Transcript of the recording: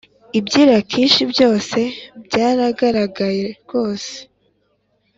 iby i Lakishi byose byaragaragaye ryose